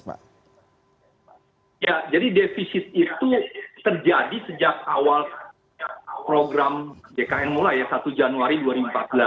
jadi defisit itu terjadi sejak awal program bkn mula satu januari dua ribu empat belas